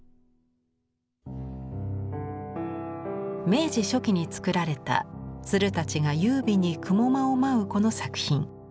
明治初期に作られた鶴たちが優美に雲間を舞うこの作品。